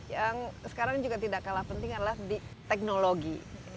yang sekarang juga tidak kalah penting adalah di teknologi